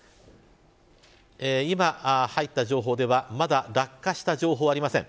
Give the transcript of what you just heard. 今、入った情報ではまだ落下した情報はありません。